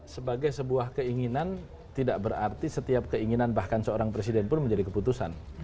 sebagai sebuah keinginan tidak berarti setiap keinginan bahkan seorang presiden pun menjadi keputusan